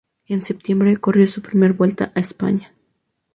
En septiembre corrió su primer Vuelta a España.